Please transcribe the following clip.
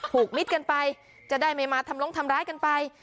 มิตรกันไปจะได้ไม่มาทำลงทำร้ายกันไป